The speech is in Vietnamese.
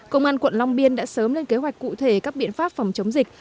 công an quận long biên đã sớm lên kế hoạch cụ thể các biện pháp phòng chống dịch